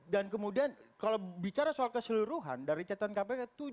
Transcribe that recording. dan kemudian kalau bicara soal keseluruhan dari catatan kpk